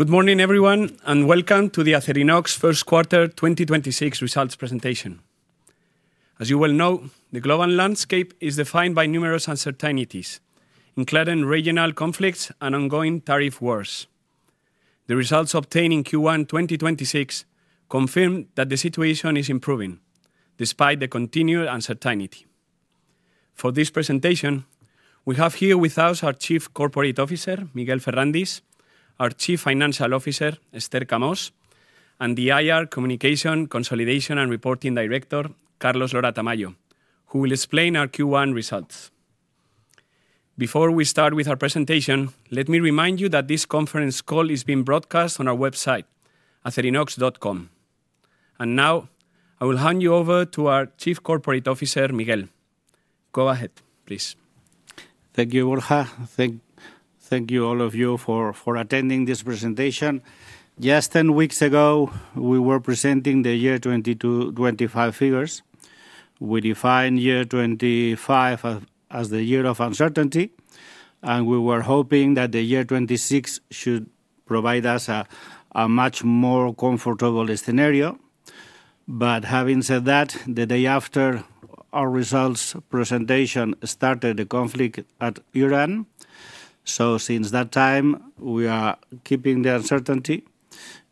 Good morning, everyone, welcome to the Acerinox first quarter 2026 results presentation. As you well know, the global landscape is defined by numerous uncertainties, including regional conflicts and ongoing tariff wars. The results obtained in Q1 2026 confirm that the situation is improving despite the continued uncertainty. For this presentation, we have here with us our Chief Corporate Officer, Miguel Ferrandis, our Chief Financial Officer, Esther Camós, and the IR Communication Consolidation and Reporting Director, Carlos Lora-Tamayo, who will explain our Q1 results. Before we start with our presentation, let me remind you that this conference call is being broadcast on our website, acerinox.com. Now I will hand you over to our Chief Corporate Officer, Miguel. Go ahead, please. Thank you, Borja. Thank you all of you for attending this presentation. Just 10 weeks ago, we were presenting the year 2022-2025 figures. We defined year 2025 as the year of uncertainty. We were hoping that the year 2026 should provide us a much more comfortable scenario. Having said that, the day after our results presentation started the conflict at Iran. Since that time we are keeping the uncertainty.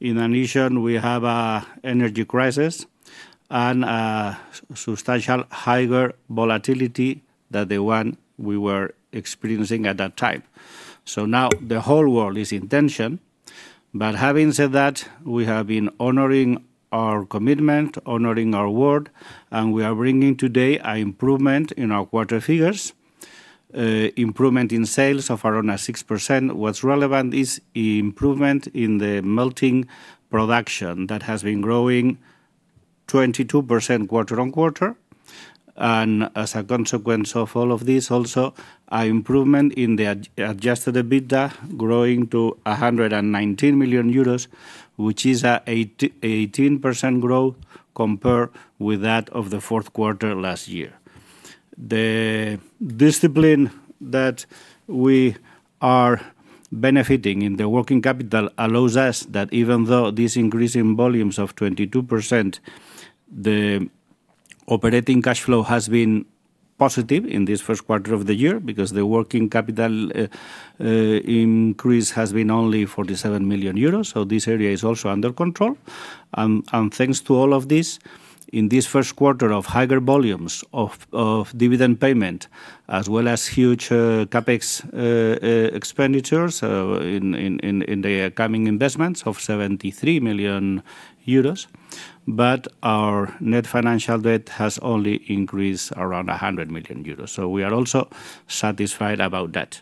In addition, we have an energy crisis and substantial higher volatility than the one we were experiencing at that time. Now the whole world is in tension. Having said that, we have been honoring our commitment, honoring our word, and we are bringing today an improvement in our quarter figures, an improvement in sales of around 6%. What's relevant is improvement in the melting production that has been growing 22% quarter-on-quarter. As a consequence of all of this also, a improvement in the adjusted EBITDA growing to 119 million euros, which is an 18% growth compared with that of the fourth quarter last year. The discipline that we are benefiting in the working capital allows us that even though this increase in volumes of 22%, the operating cash flow has been positive in this first quarter of the year because the working capital increase has been only 47 million euros. This area is also under control. Thanks to all of this, in this first quarter of higher volumes of dividend payment, as well as huge CapEx expenditures in the coming investments of 73 million euros. Our net financial debt has only increased around 100 million euros, we are also satisfied about that.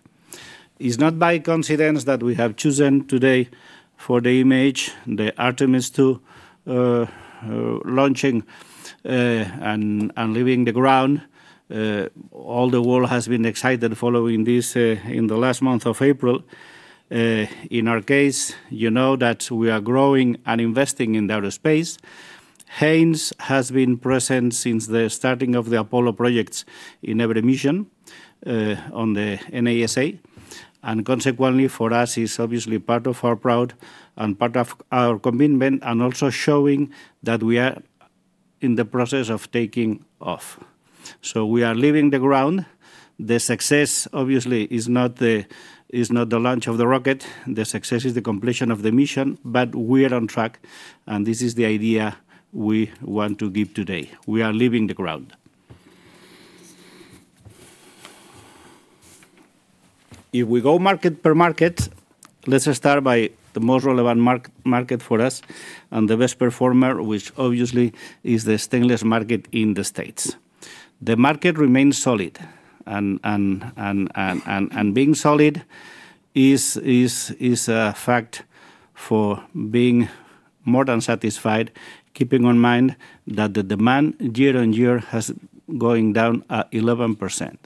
It is not by coincidence that we have chosen today for the image, the Artemis II launching and leaving the ground. All the world has been excited following this in the last month of April. In our case, you know that we are growing and investing in the aerospace. Haynes has been present since the starting of the Apollo projects in every mission on the NASA. Consequently, for us it is obviously part of our proud and part of our commitment and also showing that we are in the process of taking off. We are leaving the ground. The success obviously is not the launch of the rocket. The success is the completion of the mission. We are on track, and this is the idea we want to give today. We are leaving the ground. We go market per market, let's start by the most relevant market for us and the best performer, which obviously is the stainless market in the U.S. The market remains solid and being solid is a fact for being more than satisfied, keeping in mind that the demand year-on-year has going down at 11%.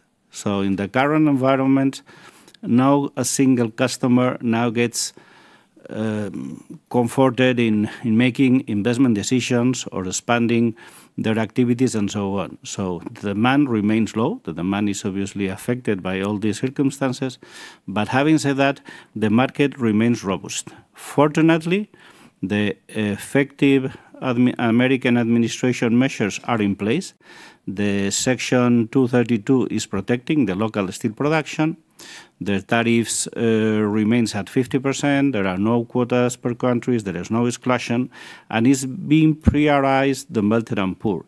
In the current environment, no a single customer now gets comforted in making investment decisions or expanding their activities and so on. Demand remains low. The demand is obviously affected by all these circumstances. Having said that, the market remains robust. Fortunately, the effective American administration measures are in place. The Section 232 is protecting the local steel production. The tariffs remains at 50%. There are no quotas per countries. There is no exclusion, and is being prioritized the melt and pour.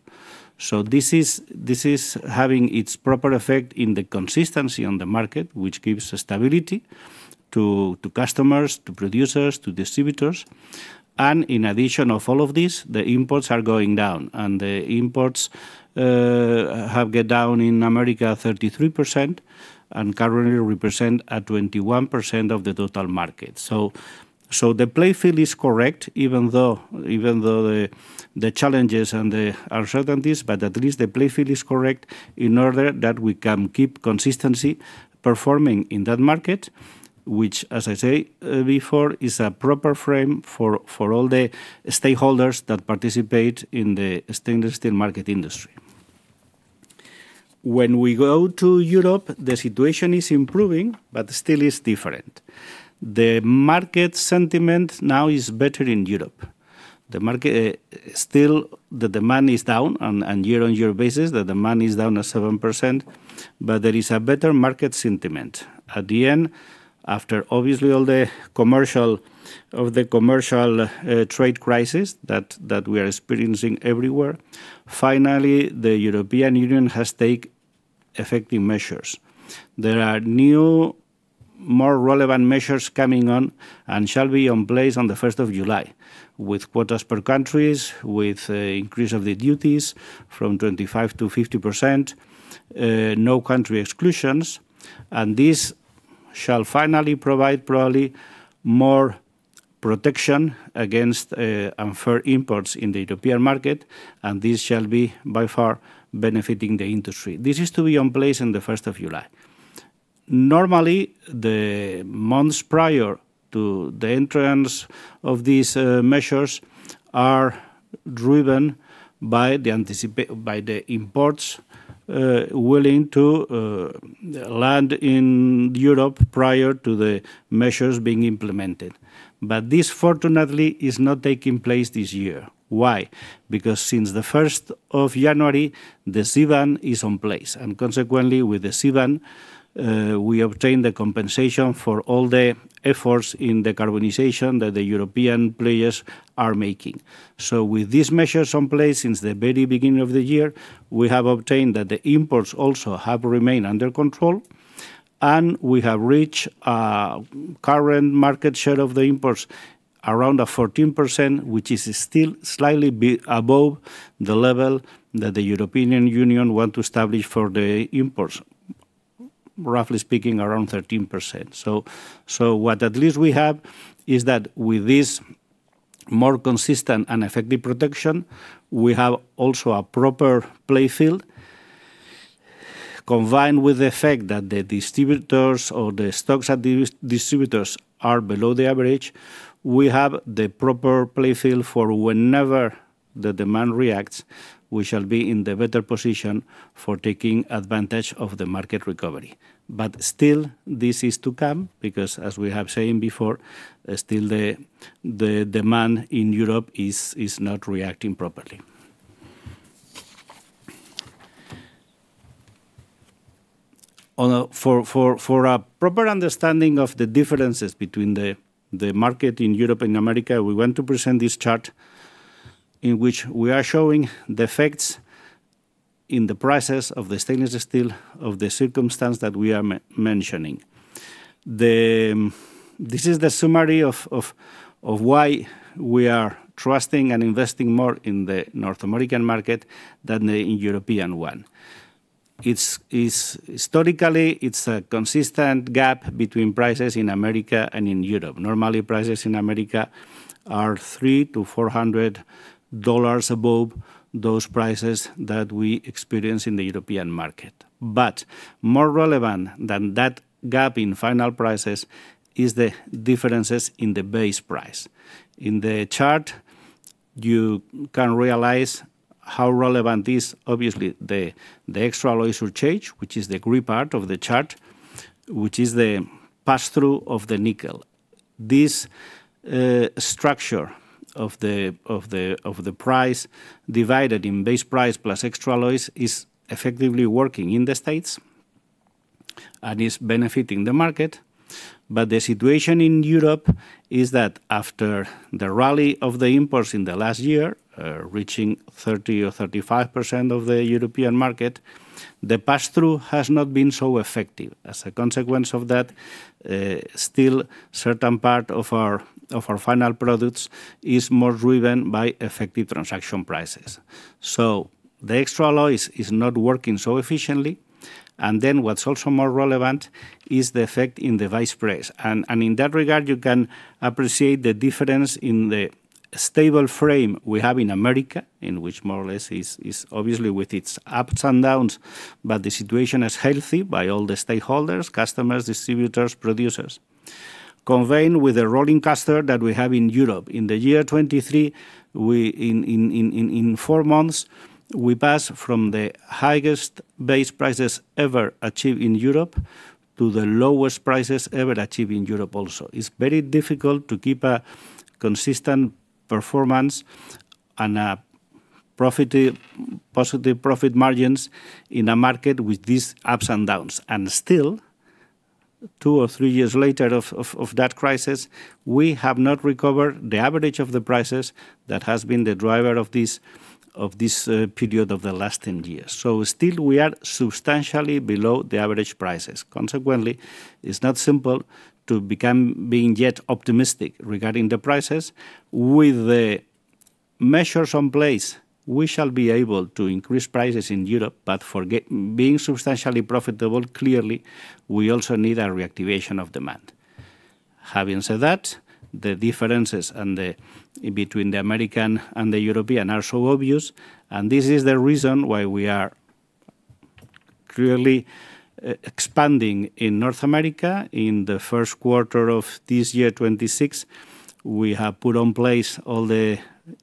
This is having its proper effect in the consistency on the market, which gives stability to customers, to producers, to distributors. In addition of all of this, the imports are going down. The imports have got down in the U.S. 33% and currently represent 21% of the total market. The playing field is correct, even though the challenges and the uncertainties, but at least the playing field is correct in order that we can keep consistency performing in that market, which, as I say before, is a proper frame for all the stakeholders that participate in the stainless steel market industry. When we go to Europe, the situation is improving, but still is different. The market sentiment now is better in Europe. The market, still the demand is down on year-on-year basis, the demand is down at 7%, but there is a better market sentiment. At the end, after obviously all the commercial trade crisis that we are experiencing everywhere, finally, the European Union has take effective measures. There are new, more relevant measures coming on and shall be in place on the first of July with quotas per countries, with the increase of the duties from 25%-50%, no country exclusions. This shall finally provide probably more protection against unfair imports in the European market, and this shall be by far benefiting the industry. This is to be in place in the first of July. Normally, the months prior to the entrance of these measures are driven by the imports willing to land in Europe prior to the measures being implemented. This fortunately is not taking place this year. Why? Because since the first of January, the CBAM is in place, consequently with the CBAM, we obtain the compensation for all the efforts in decarbonization that the European players are making. With this measure in place since the very beginning of the year, we have obtained that the imports also have remained under control, and we have reached a current market share of the imports around 14%, which is still slightly above the level that the European Union want to establish for the imports. Roughly speaking, around 13%. What at least we have is that with this more consistent and effective protection, we have also a proper play field. Combined with the fact that the distributors or the stocks at distributors are below the average, we have the proper play field for whenever the demand reacts, we shall be in the better position for taking advantage of the market recovery. Still this is to come because as we have seen before, still the demand in Europe is not reacting properly. Although for a proper understanding of the differences between the market in Europe and America, we want to present this chart in which we are showing the effects in the prices of the stainless steel of the circumstance that we are mentioning. This is the summary of why we are trusting and investing more in the North American market than the European one. Historically, it's a consistent gap between prices in America and in Europe. Normally, prices in America are $300-$400 above those prices that we experience in the European market. More relevant than that gap in final prices is the differences in the base price. In the chart, you can realize how relevant is obviously the extra alloy surcharge, which is the green part of the chart, which is the pass-through of the nickel. This structure of the price divided in base price plus extra alloys is effectively working in the States and is benefiting the market. The situation in Europe is that after the rally of the imports in the last year, reaching 30% or 35% of the European market, the pass-through has not been so effective. As a consequence of that, still certain part of our final products is more driven by effective transaction prices. The extra alloy is not working so efficiently. What's also more relevant is the effect in the base price. In that regard, you can appreciate the difference in the stable frame we have in America, in which more or less is obviously with its ups and downs, but the situation is healthy by all the stakeholders, customers, distributors, producers. Combined with the roller coaster that we have in Europe. In the year 2023, we in four months, we pass from the highest base prices ever achieved in Europe to the lowest prices ever achieved in Europe also. It's very difficult to keep a consistent performance and a positive profit margins in a market with these ups and downs. Still, two or three years later of that crisis, we have not recovered the average of the prices that has been the driver of this, of this period of the last 10 years. Still we are substantially below the average prices. Consequently, it's not simple to become being yet optimistic regarding the prices. With the measures in place, we shall be able to increase prices in Europe, forget being substantially profitable, clearly, we also need a reactivation of demand. Having said that, the differences and the between the American and the European are so obvious. This is the reason why we are clearly expanding in North America. In the first quarter of 2026, we have put in place all the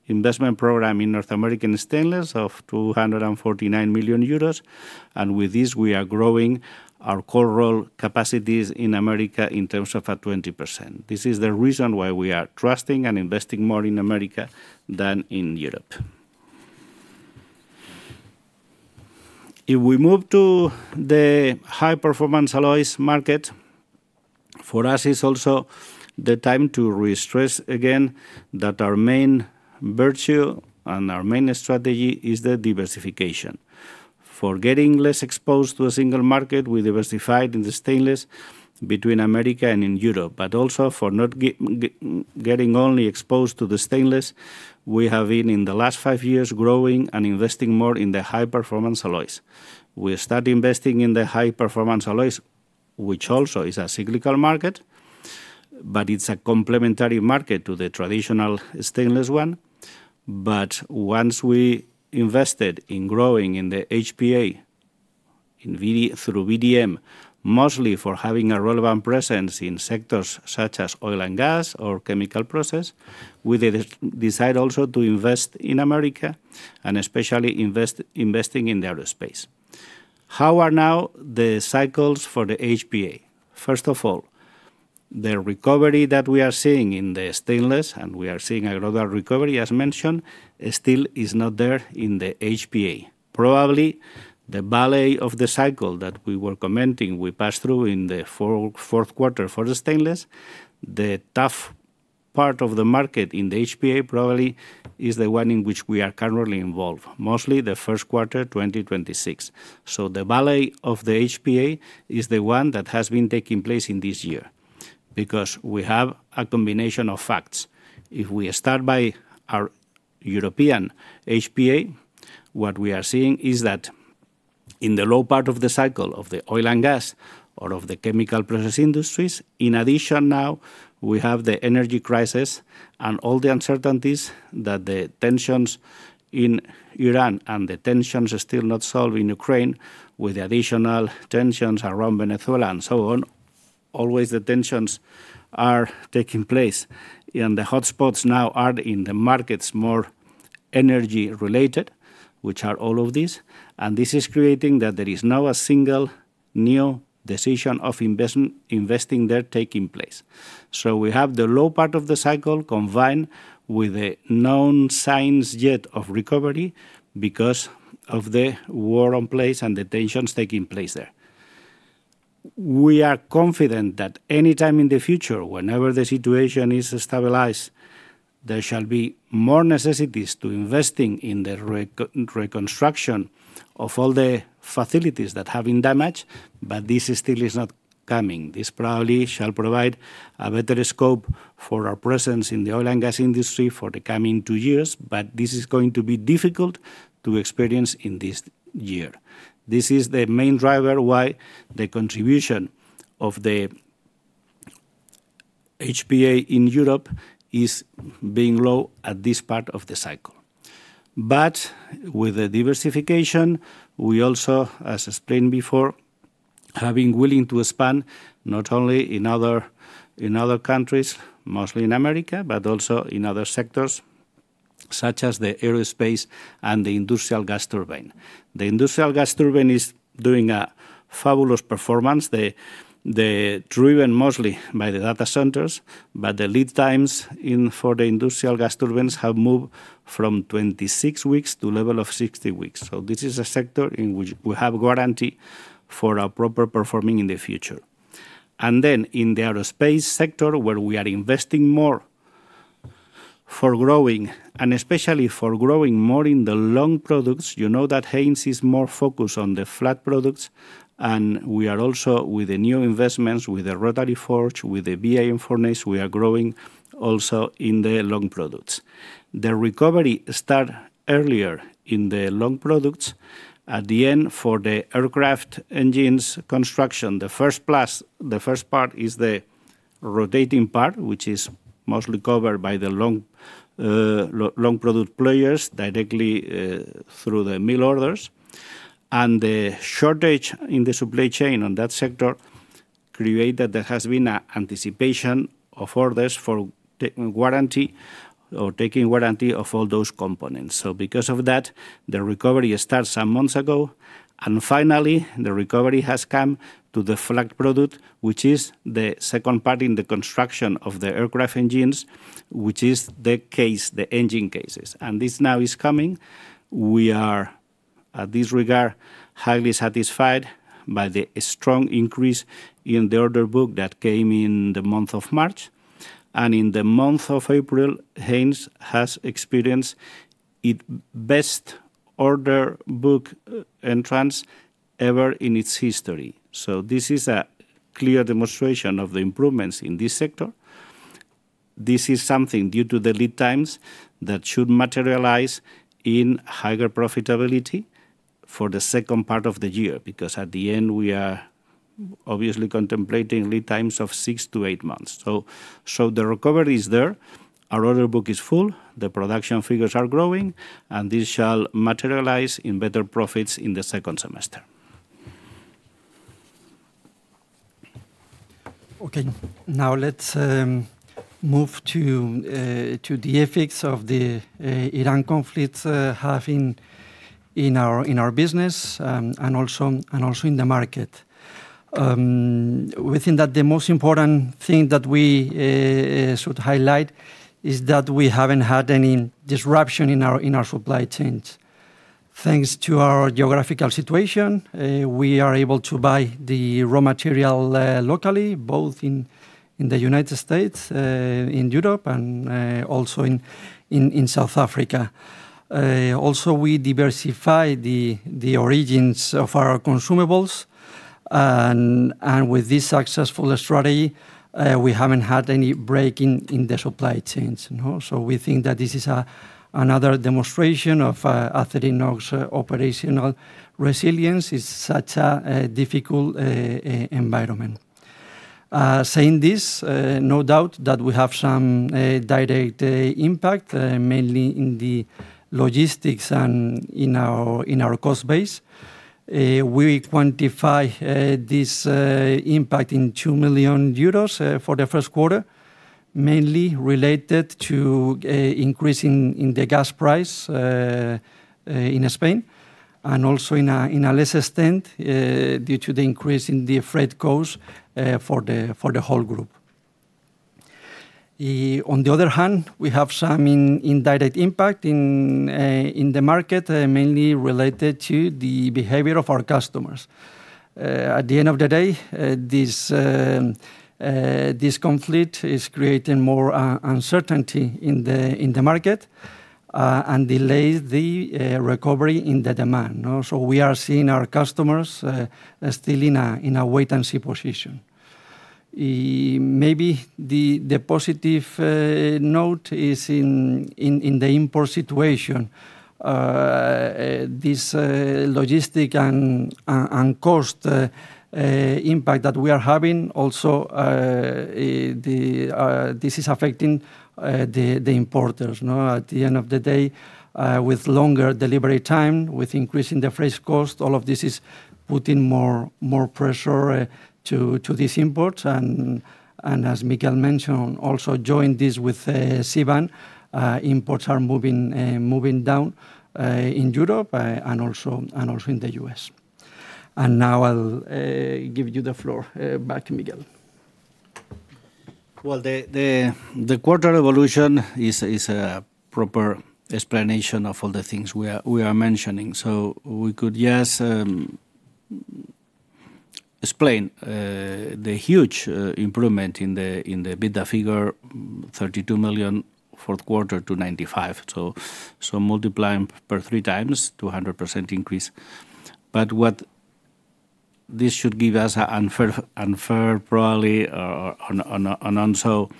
investment program in North American Stainless of 249 million euros. With this we are growing our core role capacities in America in terms of 20%. This is the reason why we are trusting and investing more in America than in Europe. If we move to the high-performance alloys market, for us it's also the time to re-stress again that our main virtue and our main strategy is the diversification. For getting less exposed to a single market, we diversified in the stainless between America and in Europe. Also for not getting only exposed to the stainless, we have been, in the last five years, growing and investing more in the high-performance alloys. We start investing in the high-performance alloys, which also is a cyclical market, but it's a complementary market to the traditional stainless one. Once we invested in growing in the HPA through VDM, mostly for having a relevant presence in sectors such as oil and gas or chemical process, we decide also to invest in America and especially investing in the aerospace. How are now the cycles for the HPA? First of all, the recovery that we are seeing in the stainless, and we are seeing a lot of recovery as mentioned, it still is not there in the HPA. Probably the bottom of the cycle that we were commenting we passed through in the fourth quarter for the stainless. The tough part of the market in the HPA probably is the one in which we are currently involved, mostly the first quarter, 2026. The bottom of the HPA is the one that has been taking place in this year because we have a combination of facts. If we start by our European HPA, what we are seeing is that in the low part of the cycle of the oil and gas or of the chemical process industries, in addition now we have the energy crisis and all the uncertainties that the tensions in Iran and the tensions are still not solved in Ukraine with additional tensions around Venezuela and so on. Always the tensions are taking place, the hotspots now are in the markets more energy related, which are all of these. This is creating that there is now a single new decision of investing there taking place. We have the low part of the cycle combined with the non-signs yet of recovery because of the war on place and the tensions taking place there. We are confident that any time in the future, whenever the situation is stabilized, there shall be more necessities to investing in the reconstruction of all the facilities that have been damaged, but this still is not coming. This probably shall provide a better scope for our presence in the oil and gas industry for the coming two years, but this is going to be difficult to experience in this year. This is the main driver why the contribution of the HPA in Europe is being low at this part of the cycle. With the diversification, we also, as explained before, have been willing to expand not only in other, in other countries, mostly in America, but also in other sectors such as the aerospace and the industrial gas turbine. The industrial gas turbine is doing a fabulous performance. Driven mostly by the data centers, the lead times for the industrial gas turbines have moved from 26 weeks to level of 60 weeks. This is a sector in which we have guarantee for a proper performing in the future. In the aerospace sector, where we are investing more for growing and especially for growing more in the long products, you know that Haynes is more focused on the flat products, and we are also with the new investments, with the rotary forge, with the BA furnace, we are growing also in the long products. The recovery started earlier in the long products at the end for the aircraft engines construction. The first part is the rotating part, which is mostly covered by the long product players directly, through the mill orders. The shortage in the supply chain on that sector created there has been an anticipation of orders for warranty or taking warranty of all those components. Because of that, the recovery started some months ago. Finally, the recovery has come to the flat product, which is the second part in the construction of the aircraft engines, which is the case, the engine cases. This now is coming. We are, at this regard, highly satisfied by the strong increase in the order book that came in the month of March. In the month of April, Haynes has experienced its best order book entrance ever in its history. This is a clear demonstration of the improvements in this sector. This is something due to the lead times that should materialize in higher profitability for the second part of the year, because at the end, we are Obviously contemplating lead times of six to eight months. The recovery is there, our order book is full, the production figures are growing, and this shall materialize in better profits in the second semester. Now let's move to the effects of the Iran conflict having in our business and also in the market. Within that, the most important thing that we sort of highlight is that we haven't had any disruption in our supply chains. Thanks to our geographical situation, we are able to buy the raw material locally, both in the U.S., in Europe and also in South Africa. Also, we diversify the origins of our consumables, and with this successful strategy, we haven't had any break in the supply chains, no? We think that this is another demonstration of Acerinox's operational resilience in such a difficult environment. Saying this, no doubt that we have some direct impact, mainly in the logistics and in our cost base. We quantify this impact in 2 million euros for the first quarter, mainly related to a increase in the gas price in Spain, and also in a lesser extent due to the increase in the freight cost for the whole group. On the other hand, we have some indirect impact in the market, mainly related to the behavior of our customers. At the end of the day, this conflict is creating more uncertainty in the market, and delays the recovery in the demand. We are seeing our customers still in a wait-and-see position. Maybe the positive note is in the import situation. This logistic and cost impact that we are having also, this is affecting the importers, no? At the end of the day, with longer delivery time, with increase in the freight cost, all of this is putting more pressure to this import. As Miguel mentioned, also join this with CBAM, imports are moving down in Europe, and also in the U.S. Now I'll give you the floor back to Miguel. Well, the quarter evolution is a proper explanation of all the things we are mentioning. We could, yes, explain the huge improvement in the EBITDA figure, 32 million fourth quarter to 95 million. Multiplying per 3x, 200% increase. What this should give us an unfair, probably, an also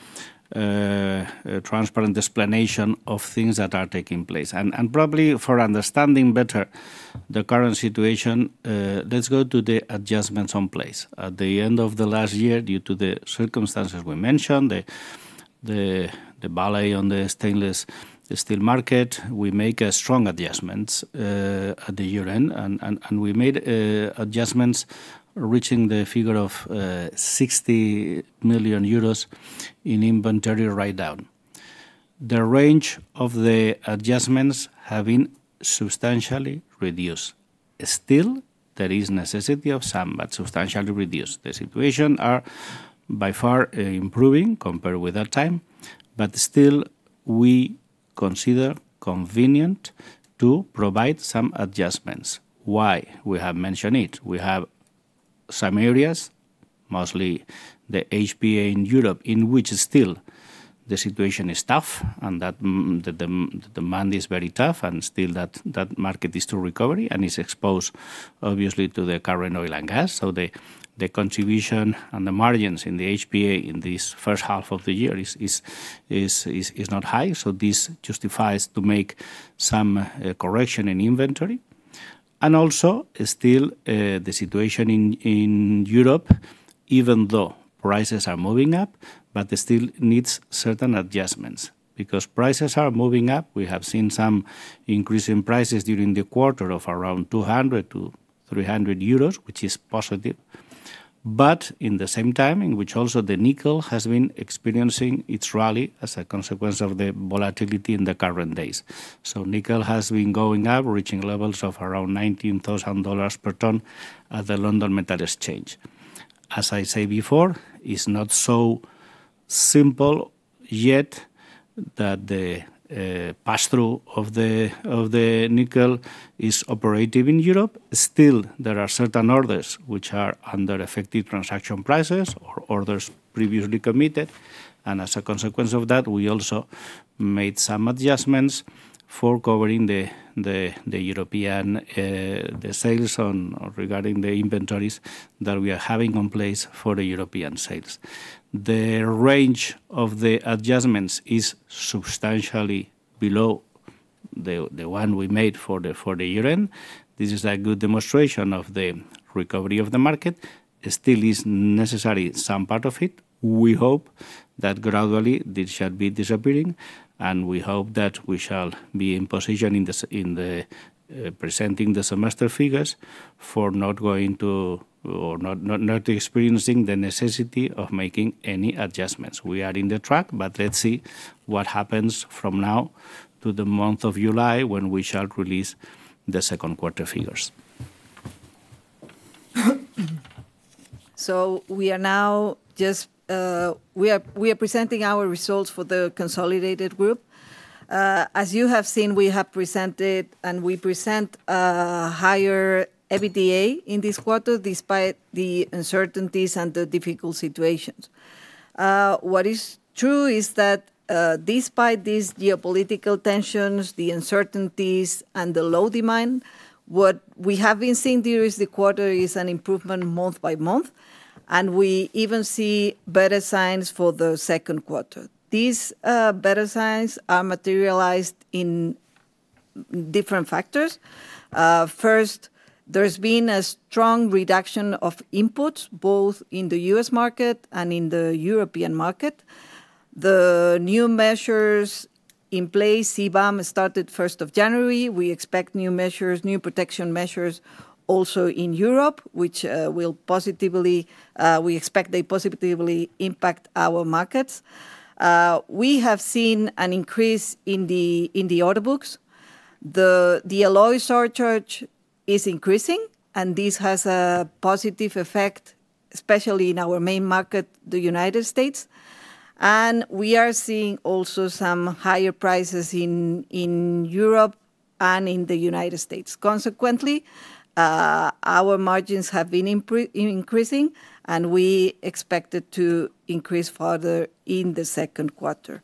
a transparent explanation of things that are taking place. Probably for understanding better the current situation, let's go to the adjustments on place. At the end of the last year, due to the circumstances we mentioned, the bottom on the stainless steel market, we make a strong adjustments at the year-end, we made adjustments reaching the figure of 60 million euros in inventory write-down. The range of the adjustments have been substantially reduced. Still, there is necessity of some, but substantially reduced. The situation are by far improving compared with that time, but still we consider convenient to provide some adjustments. Why? We have mentioned it. We have some areas, mostly the HPA in Europe, in which still the situation is tough and that demand is very tough and still that market is to recovery and is exposed obviously to the current oil and gas. The contribution and the margins in the HPA in this first half of the year is not high, this justifies to make some correction in inventory. Also still, the situation in Europe, even though prices are moving up, but they still needs certain adjustments. Prices are moving up, we have seen some increase in prices during the quarter of around 200-300 euros, which is positive. In the same time, in which also the nickel has been experiencing its rally as a consequence of the volatility in the current days. Nickel has been going up, reaching levels of around $19,000 per ton at the London Metal Exchange. As I say before, it's not so simple yet that the passthrough of the nickel is operative in Europe. Still, there are certain orders which are under effective transaction prices or orders previously committed. As a consequence of that, we also made some adjustments for covering the European sales or regarding the inventories that we are having in place for the European sales. The range of the adjustments is substantially below the one we made for the year-end. This is a good demonstration of the recovery of the market. It still is necessary some part of it. We hope that gradually this shall be disappearing, and we hope that we shall be in position in the presenting the semester figures for not going to or not experiencing the necessity of making any adjustments. We are in the track, but let's see what happens from now to the month of July when we shall release the second quarter figures. We are now just presenting our results for the consolidated group. As you have seen, we have presented and we present a higher EBITDA in this quarter despite the uncertainties and the difficult situations. What is true is that, despite these geopolitical tensions, the uncertainties and the low demand, what we have been seeing during the quarter is an improvement month by month, and we even see better signs for the second quarter. These better signs are materialized in different factors. First, there's been a strong reduction of inputs, both in the U.S. market and in the European market. The new measures in place, CBAM, started January 1. We expect new measures, new protection measures also in Europe, which will positively, we expect they positively impact our markets. We have seen an increase in the order books. The alloy surcharge is increasing, and this has a positive effect, especially in our main market, the United States. We are seeing also some higher prices in Europe and in the United States. Consequently, our margins have been increasing, and we expect it to increase further in the second quarter.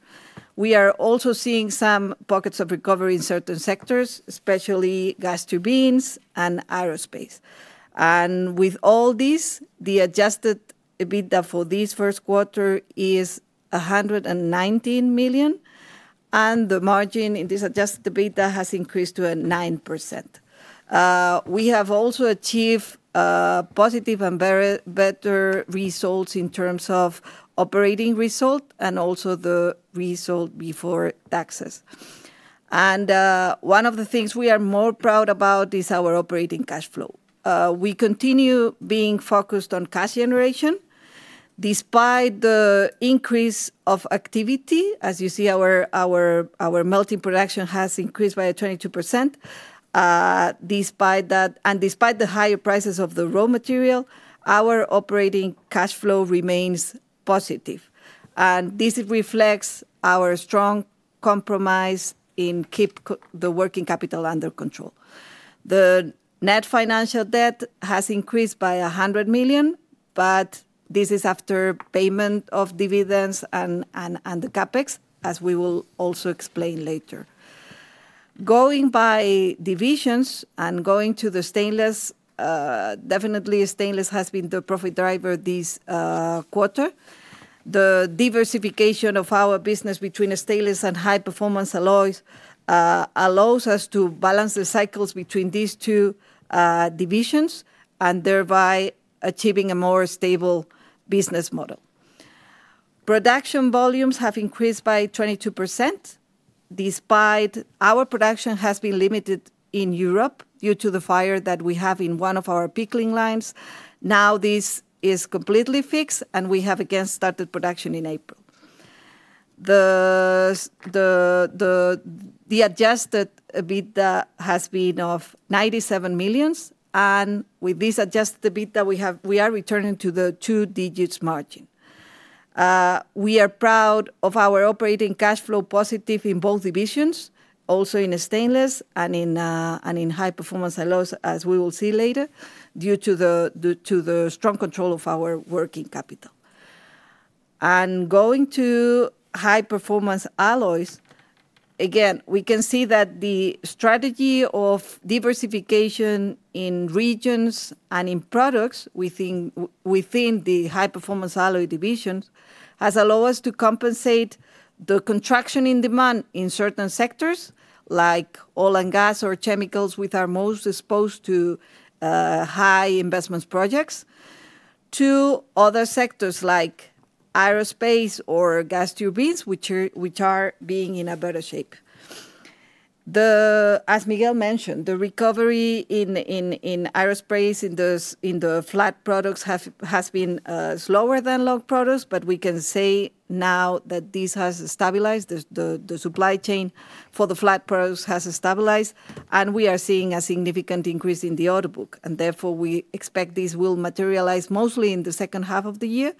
We are also seeing some pockets of recovery in certain sectors, especially gas turbines and aerospace. With all this, the adjusted EBITDA for this first quarter is 119 million, and the margin in this adjusted EBITDA has increased to 9%. We have also achieved positive and very better results in terms of operating result and also the result before taxes. One of the things we are more proud about is our operating cash flow. We continue being focused on cash generation. Despite the increase of activity, as you see our melting production has increased by 22%. Despite that and despite the higher prices of the raw material, our operating cash flow remains positive, and this reflects our strong compromise in keep the working capital under control. The net financial debt has increased by 100 million, but this is after payment of dividends and the CapEx, as we will also explain later. Going by divisions and going to the stainless, definitely stainless has been the profit driver this quarter. The diversification of our business between the stainless and high-performance alloys allows us to balance the cycles between these two divisions and thereby achieving a more stable business model. Production volumes have increased by 22% despite our production has been limited in Europe due to the fire that we have in one of our pickling lines. This is completely fixed, and we have again started production in April. The adjusted EBITDA has been of 97 million, and with this adjusted EBITDA we are returning to the two digits margin. We are proud of our operating cash flow positive in both divisions, also in the stainless and in high-performance alloys, as we will see later, due to the strong control of our working capital. Going to high-performance alloys, again, we can see that the strategy of diversification in regions and in products within the high-performance alloy divisions has allow us to compensate the contraction in demand in certain sectors, like oil and gas or chemicals which are most exposed to high investments projects, to other sectors like aerospace or gas turbines, which are being in a better shape. As Miguel mentioned, the recovery in aerospace in those, in the flat products has been slower than long products. We can say now that this has stabilized. The supply chain for the flat products has stabilized, and we are seeing a significant increase in the order book. Therefore, we expect this will materialize mostly in the second half of the year.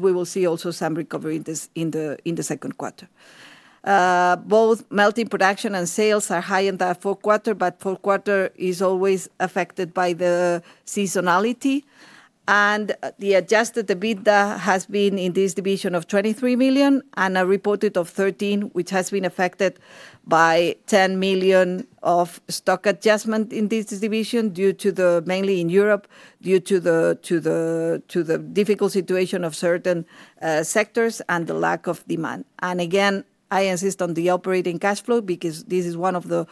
We will see also some recovery in the second quarter. Both melting production and sales are high in the fourth quarter, but fourth quarter is always affected by the seasonality. The adjusted EBITDA has been in this division of 23 million and a reported of 13 million, which has been affected by 10 million of stock adjustment in this division mainly in Europe, due to the difficult situation of certain sectors and the lack of demand. Again, I insist on the operating cash flow because this is one of the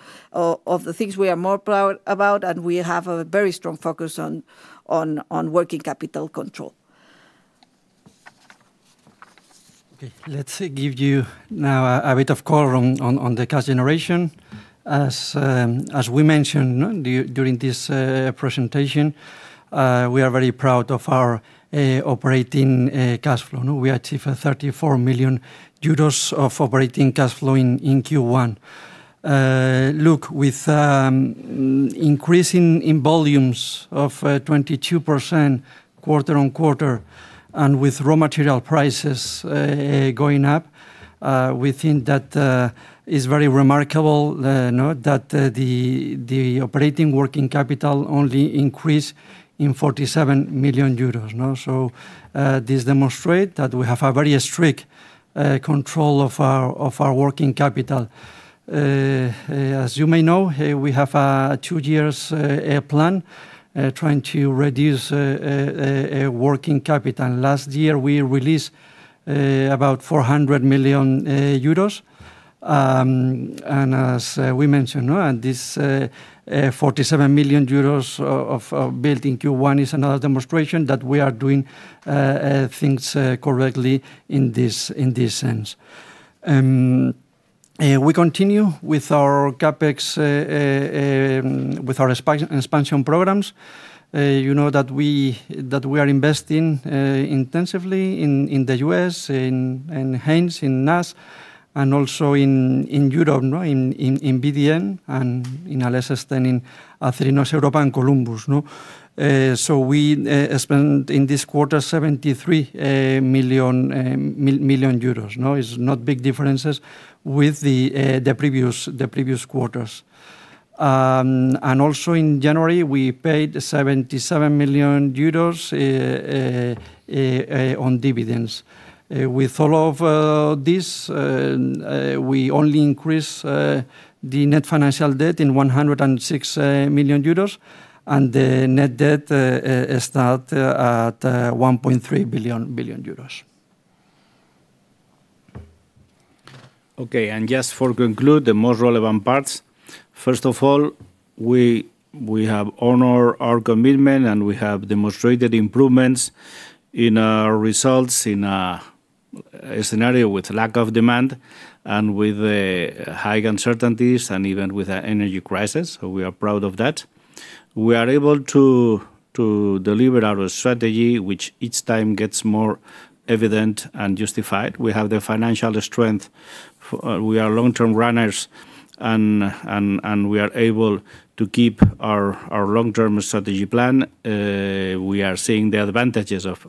things we are more proud about, and we have a very strong focus on working capital control. Let's give you now a bit of color on the cash generation. As we mentioned during this presentation, we are very proud of our operating cash flow. We achieve 34 million euros of operating cash flow in Q1. With increasing in volumes of 22% quarter-on-quarter and with raw material prices going up, we think that is very remarkable that the operating working capital only increase in 47 million euros. This demonstrate that we have a very strict control of our working capital. As you may know, we have a two years plan trying to reduce working capital. Last year, we released about 400 million euros. As we mentioned, this 47 million euros of building Q1 is another demonstration that we are doing things correctly in this sense. We continue with our CapEx with our expansion programs. You know that we are investing intensively in the U.S., in Haynes, in NAS, and also in Europe, in VDM Metals and in Acerinox Europa, then in Acerinox Europa, and Columbus. We spend in this quarter 73 million euros. It's not big differences with the previous quarters. Also in January, we paid 77 million euros on dividends. With all of this, we only increase the net financial debt in 106 million euros, and the net debt is now at 1.3 billion. Okay. Just for conclude the most relevant parts. First of all, we have honor our commitment, and we have demonstrated improvements in our results in a scenario with lack of demand and with high uncertainties and even with a energy crisis. We are proud of that. We are able to deliver our strategy, which each time gets more evident and justified. We have the financial strength. We are long-term runners and we are able to keep our long-term strategy plan. We are seeing the advantages of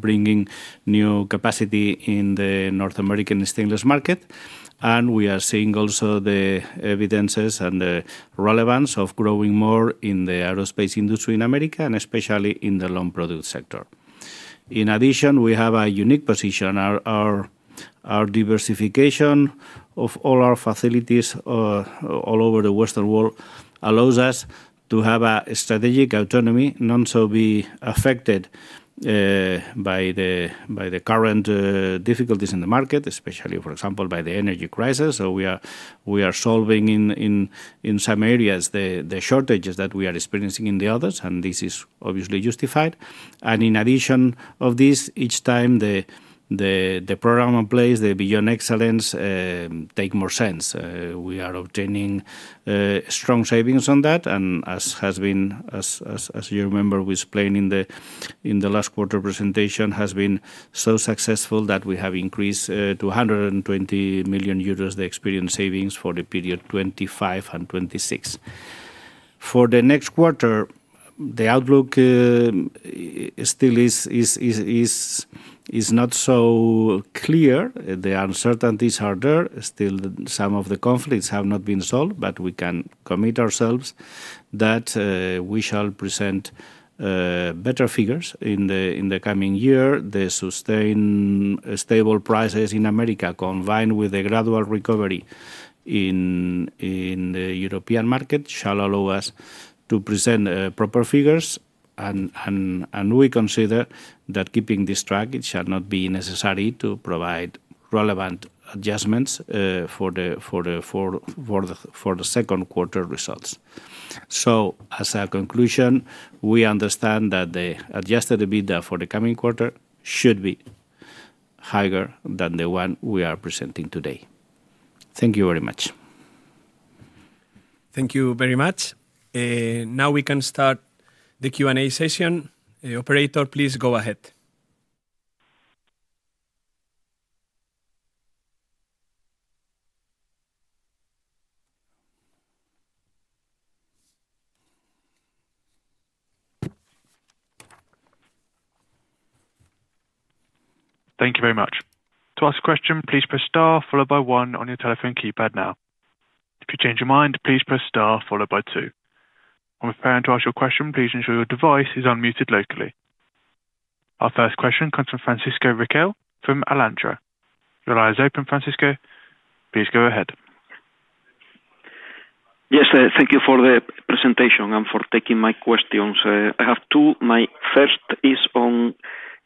bringing new capacity in the North American Stainless market, and we are seeing also the evidences and the relevance of growing more in the aerospace industry in America and especially in the long product sector. In addition, we have a unique position. Our diversification of all our facilities all over the Western world allows us to have a strategic autonomy, not so be affected by the current difficulties in the market, especially, for example, by the energy crisis. We are solving in some areas the shortages that we are experiencing in the others, and this is obviously justified. In addition of this, each time the program in place, the Beyond Excellence, take more sense. We are obtaining strong savings on that, and as you remember, we explained in the last quarter presentation, has been so successful that we have increased to 120 million euros the experience savings for the period 2025 and 2026. For the next quarter, the outlook still is not so clear. The uncertainties are there. Still some of the conflicts have not been solved, but we can commit ourselves that we shall present better figures in the coming year. The sustained stable prices in America, combined with a gradual recovery in the European market, shall allow us to present proper figures. We consider that keeping this track, it shall not be necessary to provide relevant adjustments for the second quarter results. As a conclusion, we understand that the adjusted EBITDA for the coming quarter should be higher than the one we are presenting today. Thank you very much. Now we can start the Q&A session. Operator, please go ahead. Thank you very much. To ask a question please press star followed by one on your telephone keypad now. If you change your mind, please press star followed by two. When preparing to ask your question, please ensure your device is unmuted locally. Our first question comes from Francisco.Our first question comes from Francisco Riquel from Alantra. Your line is open, Francisco. Please go ahead. Yes, thank you for the presentation and for taking my questions. I have two. My first is on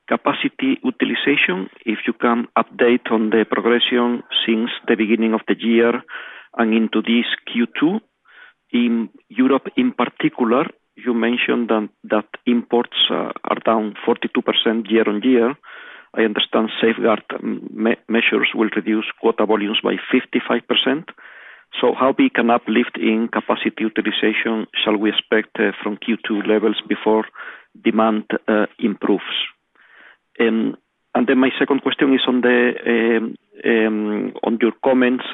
capacity utilization. If you can update on the progression since the beginning of the year and into this Q2. In Europe, in particular, you mentioned that imports are down 42% year-on-year. I understand safeguard measures will reduce quota volumes by 55%. How big an uplift in capacity utilization shall we expect from Q2 levels before demand improves? Then my second question is on your comments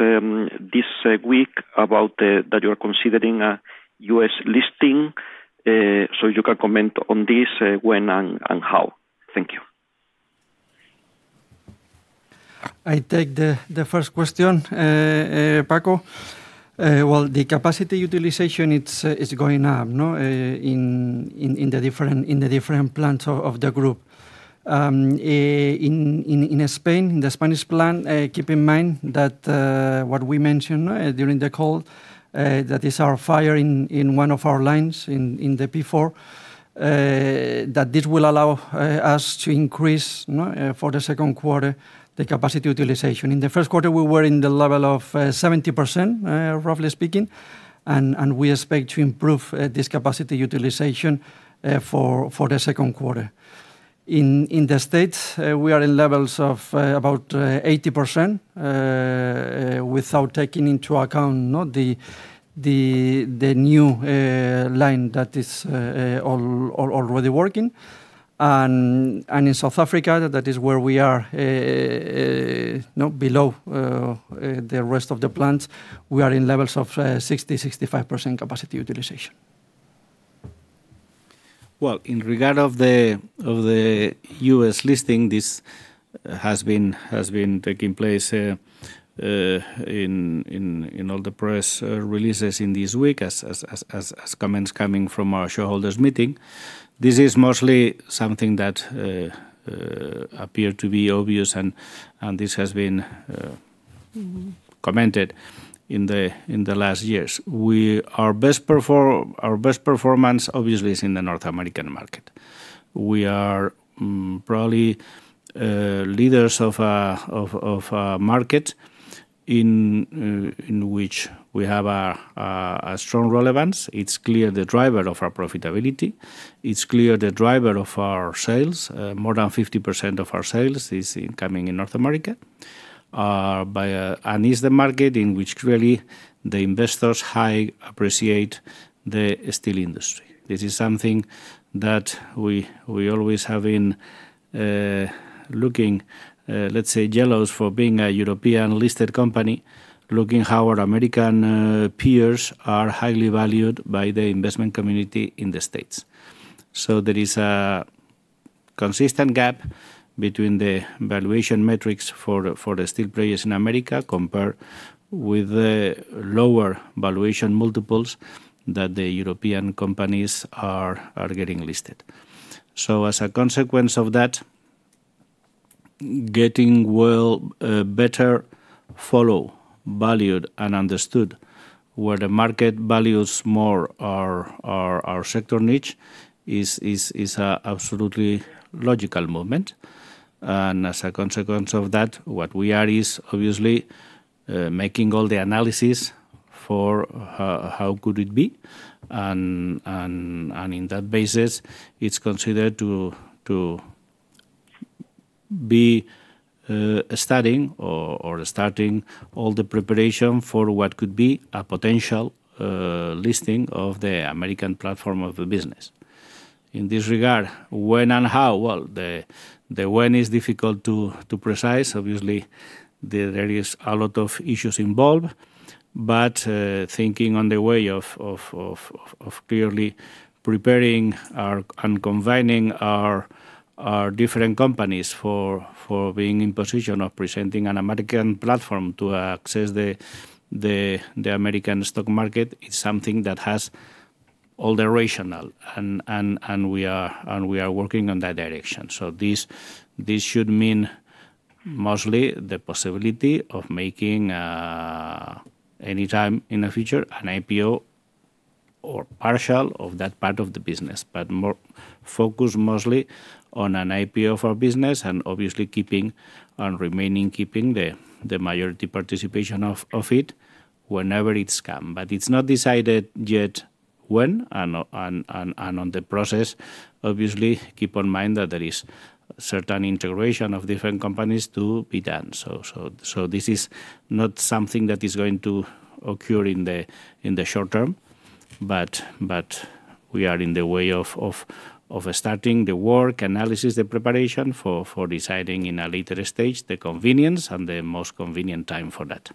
this week about that you're considering a U.S. listing, so you can comment on this when and how. Thank you. I take the first question, Paco. Well, the capacity utilization, it's going up, no, in the different plants of the group. In Spain, the Spanish plant, keep in mind that what we mentioned during the call, that is our fire in one of our lines in the P4, that this will allow us to increase, no, for the second quarter, the capacity utilization. In the first quarter, we were in the level of 70%, roughly speaking, and we expect to improve this capacity utilization for the second quarter. In the U.S., we are in levels of about 80% without taking into account the new line that is already working. In South Africa, that is where we are below the rest of the plants. We are in levels of 60%-65% capacity utilization. Well, in regard of the U.S. listing, this has been taking place in all the press releases in this week as comments coming from our shareholders meeting. This is mostly something that appeared to be obvious and this has been commented in the last years. Our best performance obviously is in the North American market. We are probably leaders of a market in which we have a strong relevance. It's clear the driver of our profitability. It's clear the driver of our sales. More than 50% of our sales is incoming in North America. Is the market in which really the investors high appreciate the steel industry. This is something that we always have been looking, let's say, jealous for being a European-listed company, looking how our American peers are highly valued by the investment community in the States. There is a consistent gap between the valuation metrics for the steel players in America compared with the lower valuation multiples that the European companies are getting listed. As a consequence of that, getting well, better follow, valued, and understood where the market values more our sector niche is a absolutely logical movement. As a consequence of that, what we are is obviously making all the analysis for how could it be. In that basis, it's considered to be studying or starting all the preparation for what could be a potential listing of the American platform of the business. In this regard, when and how? The when is difficult to precise. Obviously, there is a lot of issues involved. Thinking on the way of clearly preparing our and combining our different companies for being in position of presenting an American platform to access the American stock market is something that has all the rational. We are working on that direction. This should mean mostly the possibility of making anytime in the future an IPO or partial of that part of the business, but more focused mostly on an IPO for business and obviously keeping on remaining the majority participation of it whenever it's come. It's not decided yet when and on the process. Obviously, keep in mind that there is certain integration of different companies to be done. This is not something that is going to occur in the short term, but we are in the way of starting the work, analysis, the preparation for deciding in a later stage the convenience and the most convenient time for that.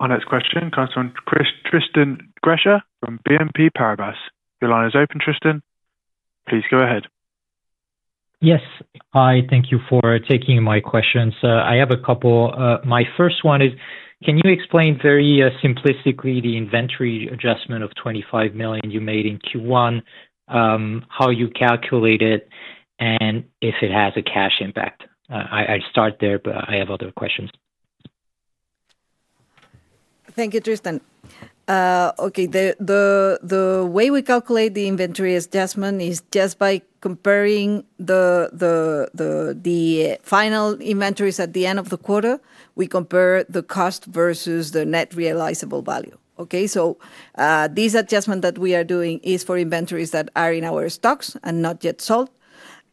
Our next question comes from Tristan Gresser from BNP Paribas. Your line is open, Tristan. Please go ahead. Yes. Hi, thank you for taking my questions. I have a couple. My first one is, can you explain very simplistically the inventory adjustment of 25 million you made in Q1, how you calculate it, and if it has a cash impact? I start there, but I have other questions. Thank you, Tristan. Okay. The way we calculate the inventory adjustment is just by comparing the final inventories at the end of the quarter. We compare the cost versus the net realizable value. Okay? This adjustment that we are doing is for inventories that are in our stocks and not yet sold,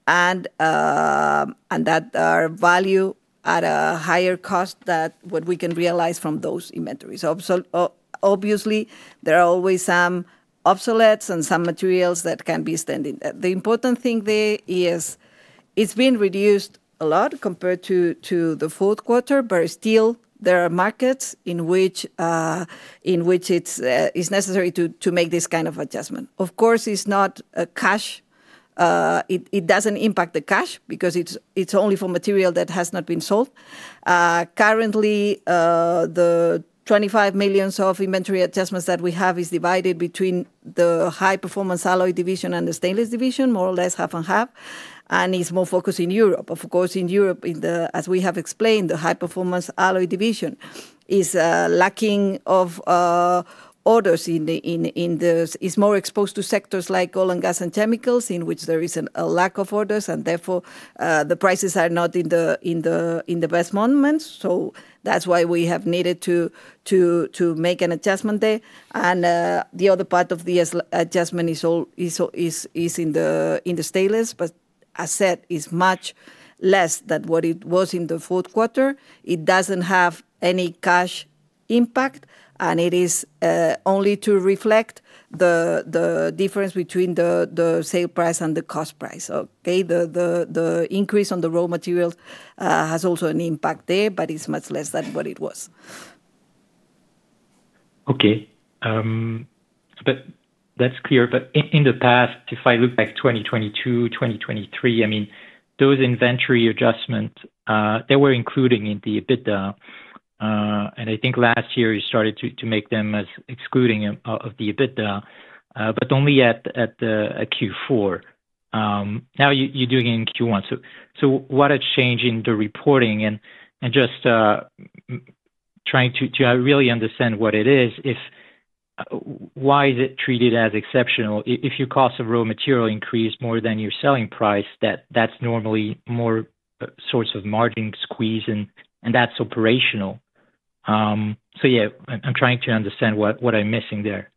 and that are valued at a higher cost that what we can realize from those inventories. Obviously, there are always some obsoletes and some materials that can be standing. The important thing there is it's been reduced a lot compared to the fourth quarter. Still there are markets in which it's necessary to make this kind of adjustment. Of course, it's not a cash. It doesn't impact the cash because it's only for material that has not been sold. Currently, the 25 million of inventory adjustments that we have is divided between the High Performance Alloys division and the stainless division, more or less half and half, and is more focused in Europe. Of course, in Europe, as we have explained, the High Performance Alloys division is lacking of orders. It's more exposed to sectors like oil and gas and chemicals, in which there is a lack of orders and therefore, the prices are not in the best moments. That's why we have needed to make an adjustment there. The other part of the adjustment is in the stainless, but I said, is much less than what it was in the fourth quarter. It doesn't have any cash impact, it is only to reflect the difference between the sale price and the cost price. Okay. The increase on the raw materials has also an impact there, but it's much less than what it was. Okay. That's clear. In the past, if I look back 2022, 2023, I mean, those inventory adjustments, they were including in the EBITDA. I think last year you started to make them as excluding of the EBITDA, only at the Q4. Now you're doing it in Q1. What a change in the reporting and just trying to really understand what it is. Why is it treated as exceptional? Your cost of raw material increased more than your selling price, that's normally more source of margin squeeze and that's operational. Yeah, I'm trying to understand what I'm missing there.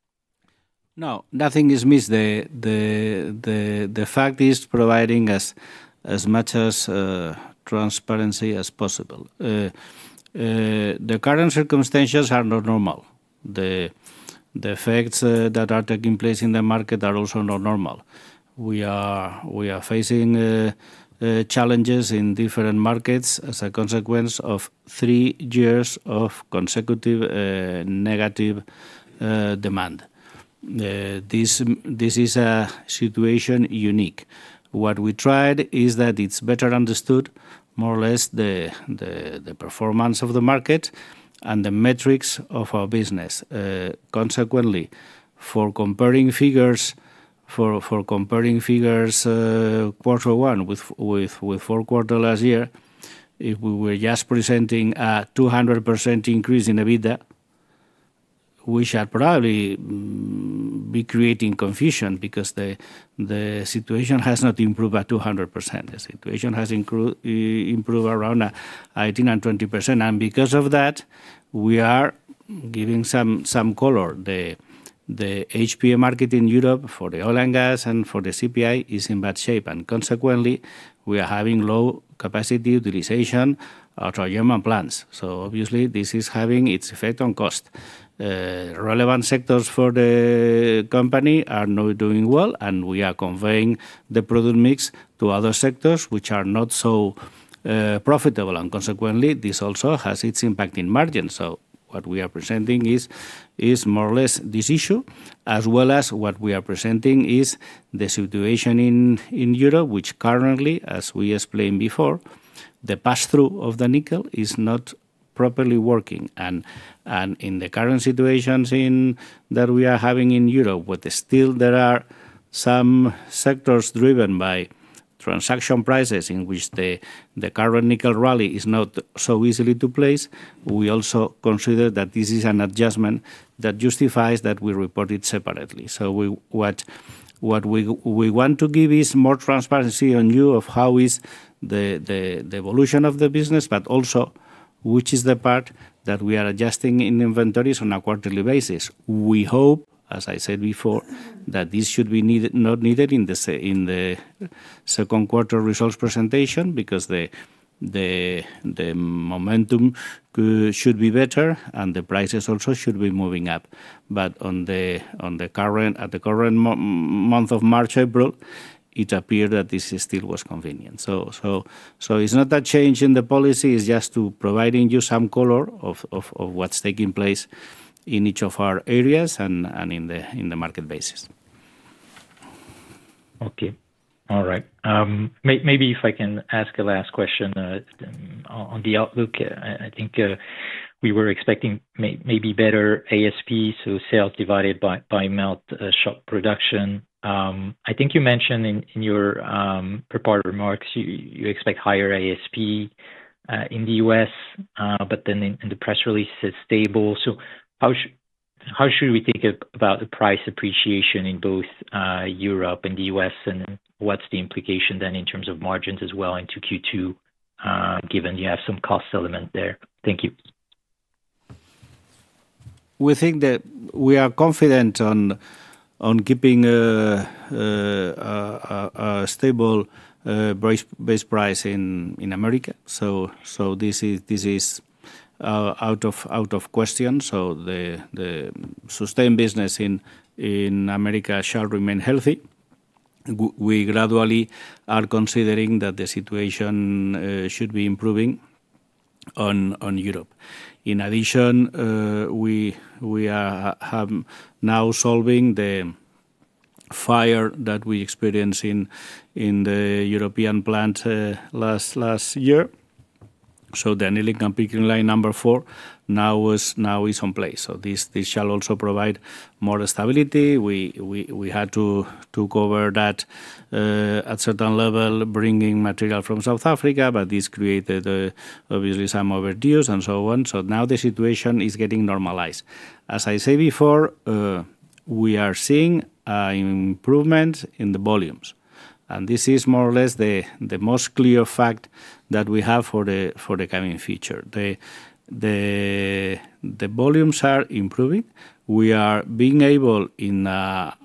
No, nothing is missed. The fact is providing as much transparency as possible. The current circumstances are not normal. The effects that are taking place in the market are also not normal. We are facing challenges in different markets as a consequence of three years of consecutive negative demand. This is a situation unique. What we tried is that it's better understood more or less the performance of the market and the metrics of our business. Consequently, for comparing figures, for comparing figures, quarter one with fourth quarter last year, if we were just presenting a 200% increase in EBITDA, we shall probably be creating confusion because the situation has not improved by 200%. The situation has improved around 18% and 20%. Because of that, we are giving some color. The HPA market in Europe for the oil and gas and for the CPI is in bad shape. Consequently, we are having low capacity utilization at our German plants. Obviously, this is having its effect on cost. Relevant sectors for the company are not doing well. We are conveying the product mix to other sectors which are not so profitable. Consequently, this also has its impact in margin. What we are presenting is more or less this issue, as well as what we are presenting is the situation in Europe, which currently, as we explained before, the passthrough of the nickel is not properly working. In the current situations that we are having in Europe, but still there are some sectors driven by transaction prices in which the current nickel rally is not so easily to place. We also consider that this is an adjustment that justifies that we report it separately. What we want to give is more transparency on you of how is the evolution of the business, but also which is the part that we are adjusting in inventories on a quarterly basis. We hope, as I said before, that this should not be needed in the second quarter results presentation because the momentum should be better and the prices also should be moving up. At the current month of March, April, it appeared that this still was convenient. It's not that change in the policy, it's just to providing you some color of what's taking place in each of our areas and in the market basis. Okay. All right. Maybe if I can ask a last question on the outlook. I think we were expecting maybe better ASP, so sales divided by melt shop production. I think you mentioned in your prepared remarks, you expect higher ASP in the U.S., but then in the press release it's stable. How should we think about the price appreciation in both Europe and the U.S., and what's the implication then in terms of margins as well into Q2, given you have some cost element there? Thank you. We think that we are confident on keeping a stable base price in America. This is out of question. The sustained business in America shall remain healthy. We gradually are considering that the situation should be improving on Europe. In addition, we are now solving the fire that we experienced in the European plant last year. The annealing and pickling line number four now is on place. This shall also provide more stability. We had to cover that at certain level bringing material from South Africa, but this created obviously some overdues and so on. Now the situation is getting normalized. As I say before, we are seeing improvement in the volumes, this is more or less the most clear fact that we have for the coming future. The volumes are improving. We are being able in a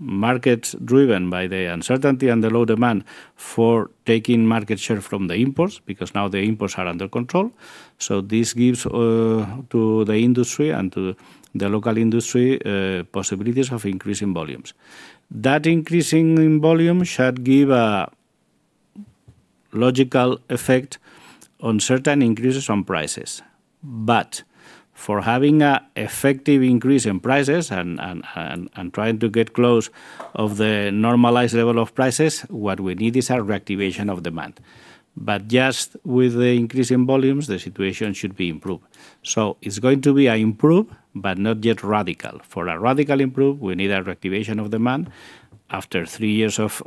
market driven by the uncertainty and the low demand for taking market share from the imports, because now the imports are under control. This gives to the industry and to the local industry possibilities of increasing volumes. That increasing volume should give a logical effect on certain increases on prices. For having a effective increase in prices and trying to get close of the normalized level of prices, what we need is a reactivation of demand. Just with the increase in volumes, the situation should be improved. It's going to be an improve, but not yet radical. For a radical improve, we need a reactivation of demand. After three years of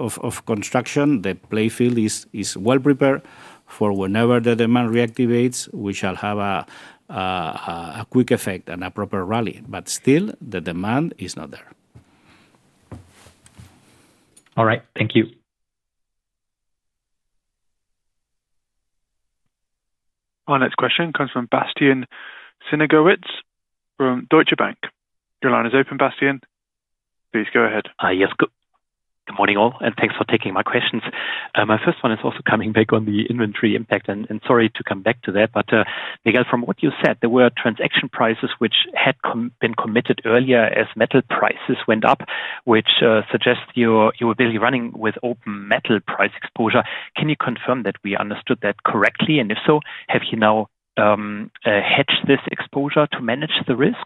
construction, the play field is well prepared for whenever the demand reactivates, we shall have a quick effect and a proper rally. Still, the demand is not there. All right. Thank you. Our next question comes from Bastian Synagowitz from Deutsche Bank. Your line is open, Bastian. Please go ahead. Yes. Good morning all, and thanks for taking my questions. My first one is also coming back on the inventory impact and sorry to come back to that, but Miguel, from what you said, there were transaction prices which had been committed earlier as metal prices went up, which suggests you're, you were barely running with open metal price exposure. Can you confirm that we understood that correctly? If so, have you now hedged this exposure to manage the risk?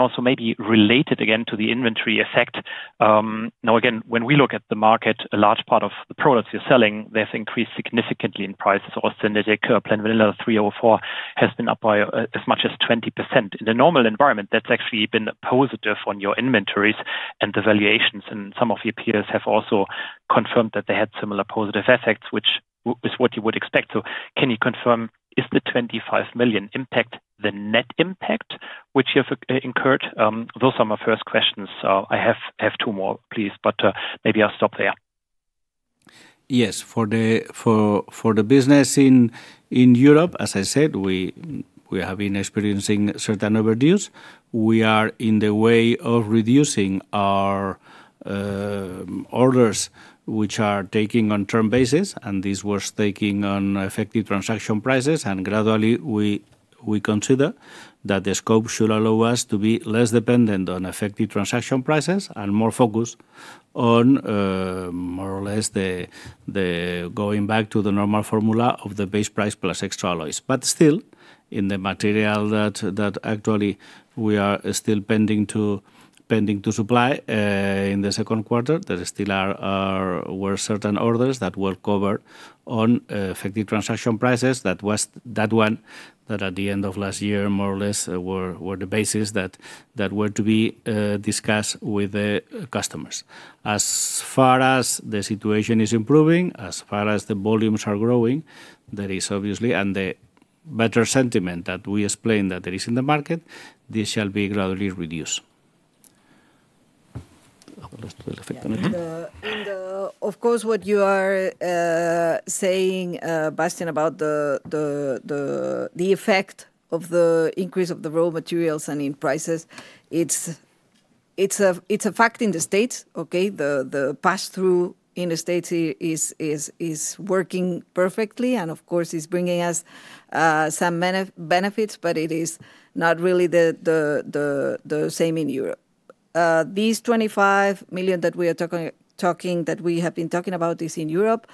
Also maybe related again to the inventory effect, now again, when we look at the market, a large part of the products you're selling, they have increased significantly in price. Austenitic grade and 304 has been up by as much as 20%. In a normal environment, that's actually been positive on your inventories and the valuations and some of your peers have also confirmed that they had similar positive effects, which is what you would expect. Can you confirm, is the 25 million impact the net impact which you have incurred? Those are my first questions. I have two more please, but maybe I'll stop there. Yes. For the business in Europe, as I said, we have been experiencing certain overdues. We are in the way of reducing our orders which are taking on term basis, and these were taking on effective transaction prices. Gradually we consider that the scope should allow us to be less dependent on effective transaction prices and more focused on more or less the going back to the normal formula of the base price plus extra alloys. Still, in the material that actually we are still pending to supply in the second quarter, there still were certain orders that were covered on effective transaction prices. That was that one that at the end of last year, more or less, were the basis that were to be discussed with the customers. As far as the situation is improving, as far as the volumes are growing, that is obviously and the better sentiment that we explained that there is in the market, this shall be gradually reduced. Of course, what you are saying, Bastian, about the effect of the increase of the raw materials and in prices, it's. It's a fact in the States, okay? The pass-through in the States is working perfectly and of course is bringing us some benefits. It is not really the same in Europe. These 25 million that we are talking that we have been talking about is in Europe,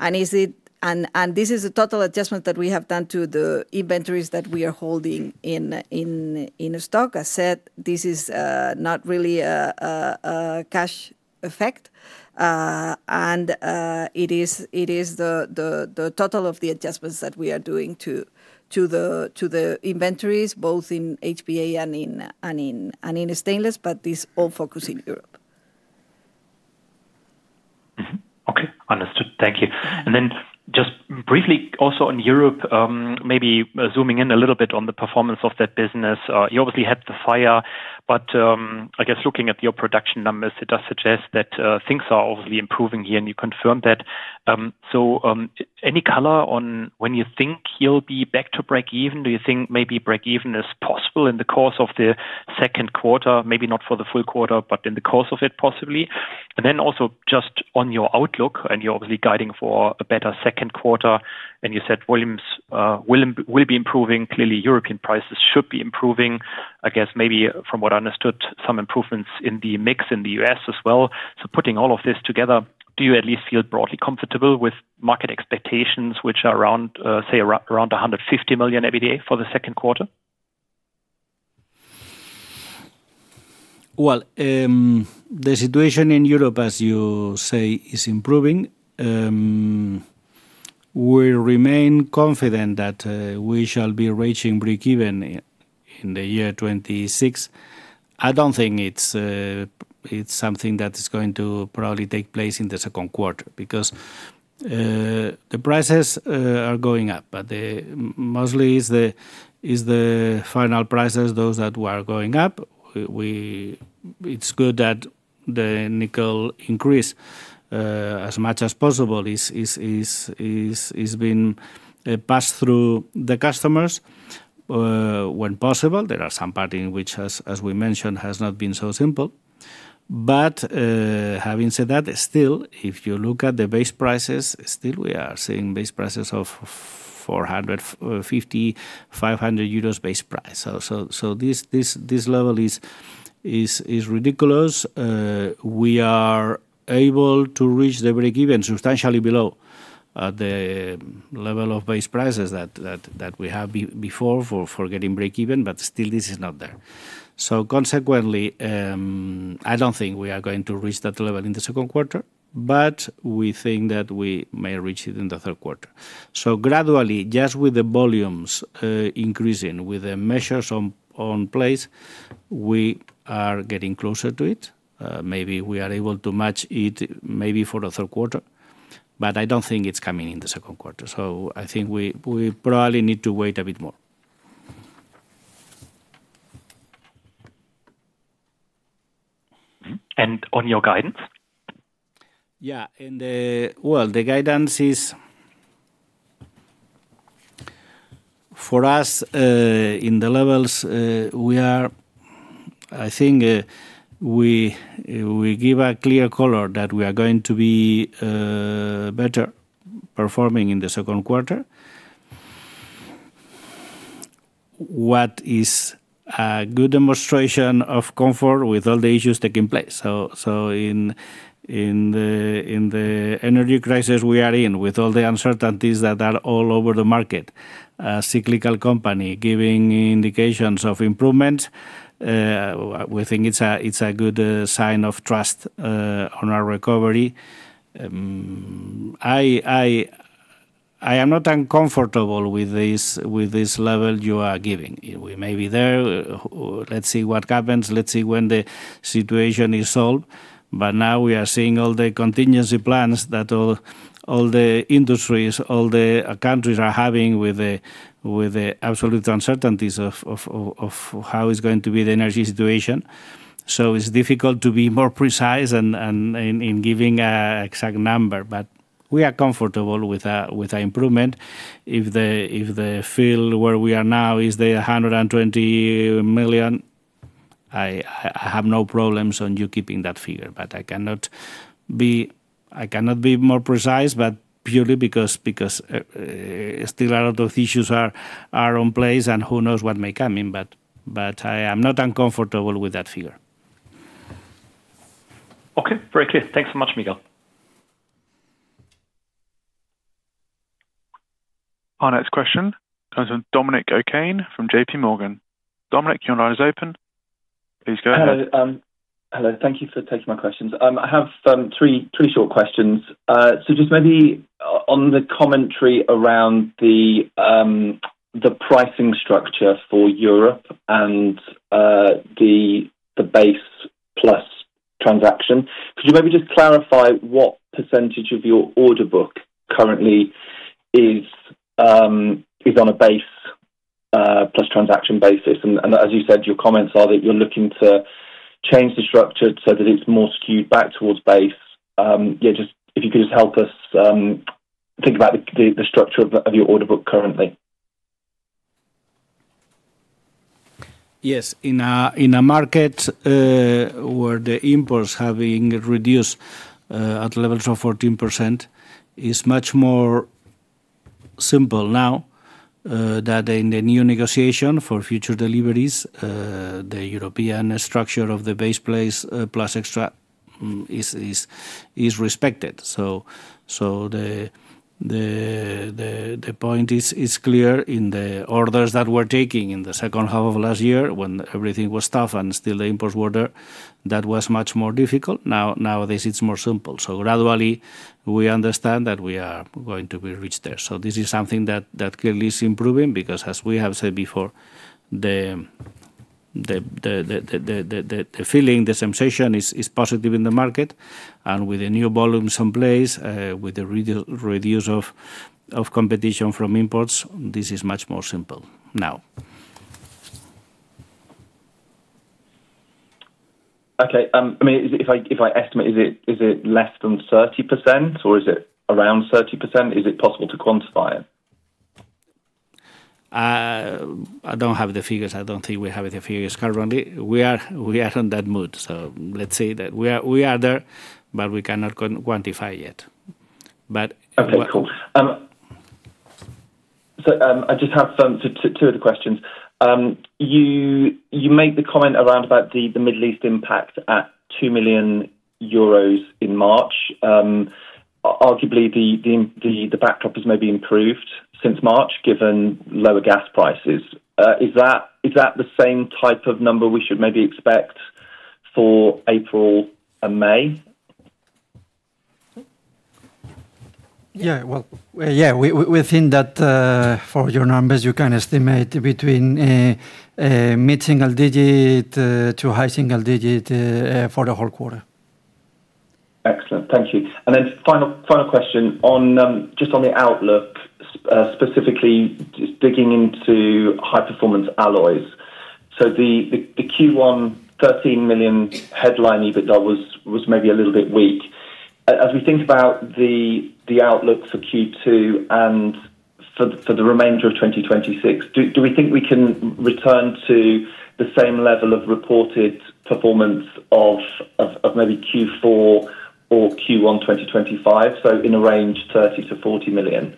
and this is a total adjustment that we have done to the inventories that we are holding in stock. I said this is not really a cash effect. It is the total of the adjustments that we are doing to the inventories, both in HPA and in stainless. This all focus in Europe. Okay. Understood. Thank you. Just briefly also on Europe, maybe zooming in a little bit on the performance of that business. You obviously had the fire, but I guess looking at your production numbers, it does suggest that things are obviously improving here, and you confirmed that. So, any color on when you think you'll be back to breakeven? Do you think maybe breakeven is possible in the course of the second quarter? Maybe not for the full quarter, but in the course of it possibly. Also just on your outlook, and you're obviously guiding for a better second quarter, and you said volumes will be improving. Clearly, European prices should be improving. I guess maybe from what I understood, some improvements in the mix in the U.S. as well. Putting all of this together, do you at least feel broadly comfortable with market expectations, which are around, say around 150 million EBITDA for the second quarter? The situation in Europe, as you say, is improving. We remain confident that we shall be reaching breakeven in the year 2026. I don't think it's something that is going to probably take place in the 2nd quarter because the prices are going up. They mostly is the final prices, those that were going up. It's good that the nickel increase as much as possible is being passed through the customers when possible. There are some parts in which, as we mentioned, has not been so simple. Having said that, still, if you look at the base prices, still we are seeing base prices of 450-500 euros base price. So this level is ridiculous. We are able to reach the breakeven substantially below the level of base prices that we have before for getting breakeven, but still this is not there. Consequently, I don't think we are going to reach that level in the second quarter, but we think that we may reach it in the third quarter. Gradually, just with the volumes increasing, with the measures on place, we are getting closer to it. Maybe we are able to match it for the third quarter, but I don't think it is coming in the second quarter. I think we probably need to wait a bit more. On your guidance? Yeah. In the guidance is For us, in the levels, we give a clear color that we are going to be better performing in the second quarter. What is a good demonstration of comfort with all the issues taking place? In the energy crisis we are in, with all the uncertainties that are all over the market, a cyclical company giving indications of improvement, we think it's a good sign of trust on our recovery. I am not uncomfortable with this, with this level you are giving. We may be there. Let's see what happens. Let's see when the situation is solved. Now we are seeing all the contingency plans that all the industries, all the countries are having with the absolute uncertainties of how is going to be the energy situation. It's difficult to be more precise and in giving a exact number. We are comfortable with a improvement. If the field where we are now is the 120 million, I have no problems on you keeping that figure. I cannot be more precise, but purely because still a lot of issues are in place and who knows what may come in between. I am not uncomfortable with that figure. Okay. Very clear. Thanks so much, Miguel. Our next question comes from Dominic O'Kane from JPMorgan. Dominic, your line is open. Please go ahead. Hello. Hello. Thank you for taking my questions. I have three short questions. Just maybe on the commentary around the pricing structure for Europe and the base plus transaction. Could you maybe just clarify what percentage of your order book currently is on a base plus transaction basis? As you said, your comments are that you're looking to change the structure so that it's more skewed back towards base. Just if you could just help us think about the structure of your order book currently. Yes. In a market where the imports have been reduced at levels of 14% is much more simple now that in the new negotiation for future deliveries, the European structure of the base price plus extra is respected. The point is clear in the orders that we're taking in the second half of last year when everything was tough and still imports were there, that was much more difficult. Nowadays it's more simple. Gradually we understand that we are going to be reached there. This is something that clearly is improving because as we have said before, the feeling, the sensation is positive in the market and with the new volumes in place, with the reduce of competition from imports, this is much more simple now. Okay. I mean, if I estimate, is it less than 30% or is it around 30%? Is it possible to quantify it? I don't have the figures. I don't think we have the figures currently. We are on that mood. Let's say that we are there, but we cannot quantify yet. Okay, cool. I just have some two other questions. You made the comment around about the Middle East impact at 2 million euros in March. Arguably the backdrop has maybe improved since March, given lower gas prices. Is that the same type of number we should maybe expect for April and May? Yeah, well, within that, for your numbers, you can estimate between mid-single digit to high-single digit for the whole quarter. Excellent. Thank you. Then final question on just on the outlook, specifically just digging into high-performance alloys. The Q1 13 million headline EBITDA was maybe a little bit weak. As we think about the outlook for Q2 and for the remainder of 2026, do we think we can return to the same level of reported performance of maybe Q4 or Q1 2025, so in a range 30 million-40 million?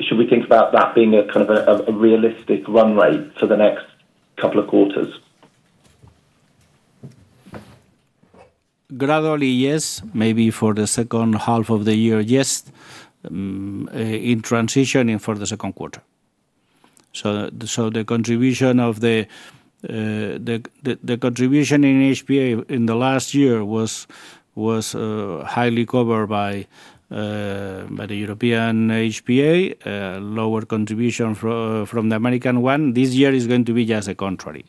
Should we think about that being a kind of a realistic run rate for the next couple of quarters? Gradually, yes. Maybe for the second half of the year, yes. In transitioning for the second quarter. The contribution in HPA in the last year was highly covered by the European HPA, lower contribution from the American one. This year is going to be just the contrary.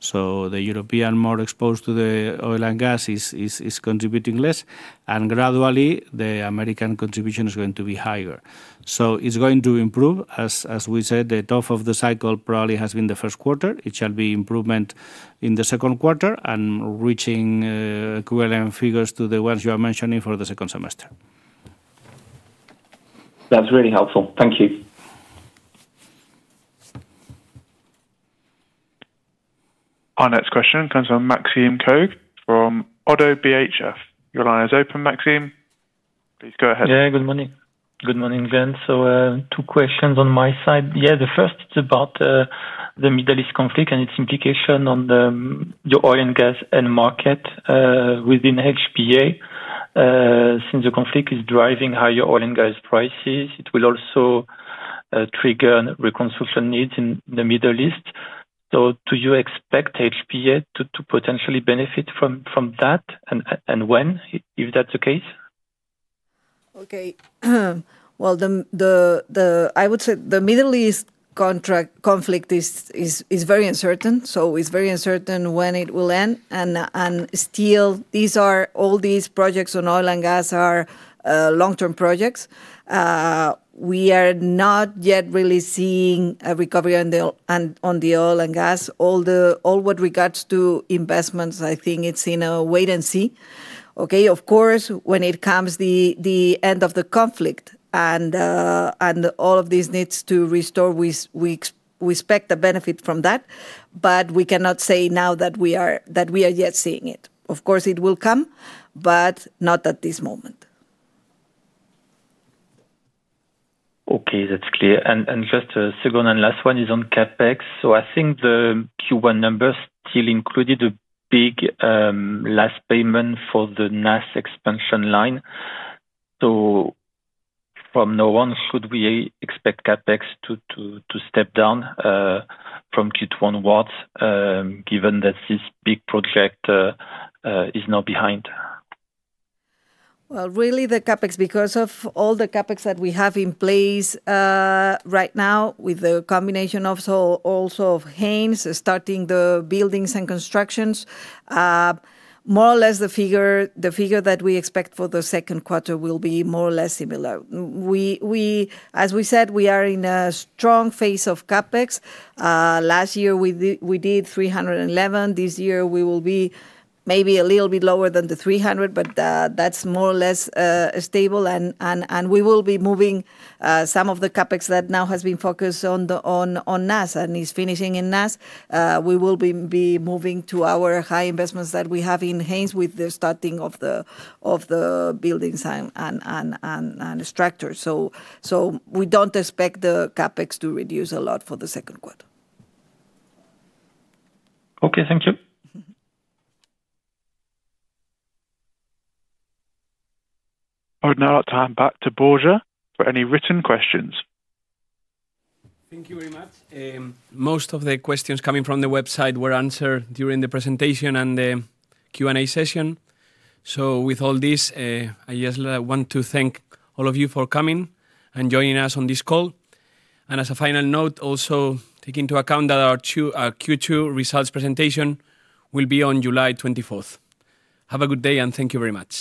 The European more exposed to the oil and gas is contributing less, and gradually the American contribution is going to be higher. It's going to improve. We said, the tough of the cycle probably has been the first quarter. It shall be improvement in the second quarter and reaching equivalent figures to the ones you are mentioning for the second semester. That's really helpful. Thank you. Our next question comes from Maxime Kogge from Oddo BHF. Your line is open, Maxime. Please go ahead. Yeah, good morning. Good morning gents. Two questions on my side. Yeah, the first is about the Middle East conflict and its implication on the oil and gas and market within HPA. Since the conflict is driving higher oil and gas prices, it will also trigger reconstruction needs in the Middle East. Do you expect HPA to potentially benefit from that and when, if that's the case? Okay. Well, the Middle East conflict is very uncertain, so it is very uncertain when it will end. Still, all these projects on oil and gas are long-term projects. We are not yet really seeing a recovery on the oil and gas. All with regards to investments, I think it's in a wait and see. Okay? Of course, when it comes the end of the conflict and all of these needs to restore, we expect the benefit from that. We cannot say now that we are yet seeing it. Of course, it will come, but not at this moment. Okay, that's clear. Just a second and last one is on CapEx. I think the Q1 numbers still included a big last payment for the NAS expansion line. From now on, should we expect CapEx to step down from Q1 onwards, given that this big project is now behind? Well, really the CapEx, because of all the CapEx that we have in place, right now, with the combination of also of Haynes starting the buildings and constructions, more or less the figure that we expect for the second quarter will be more or less similar. We, as we said, we are in a strong phase of CapEx. Last year we did 311. This year we will be maybe a little bit lower than 300, that's more or less stable. We will be moving some of the CapEx that now has been focused on NAS and is finishing in NAS. We will be moving to our high investments that we have in Haynes with the starting of the buildings and structures. We don't expect the CapEx to reduce a lot for the second quarter. Okay, thank you. I would now hand back to Borja for any written questions. Thank you very much. Most of the questions coming from the website were answered during the presentation and the Q&A session. With all this, I just want to thank all of you for coming and joining us on this call. As a final note, also take into account that our Q2 results presentation will be on July 24th. Have a good day, and thank you very much.